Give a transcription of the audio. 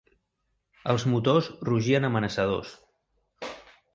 Els motors rugien amenaçadors.